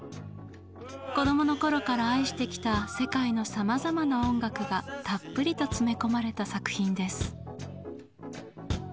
子供の頃から愛してきた世界のさまざまな音楽がたっぷりと詰め込まれた作品です。